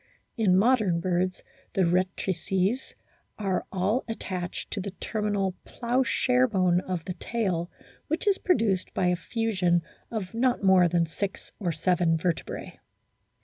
In modern birds the rectrices are all attached to the terminal ploughshare bone of the tail, which is produced by a fusion of not more than six or seven vertebrae.